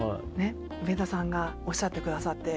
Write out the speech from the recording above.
上田さんがおっしゃってくださって。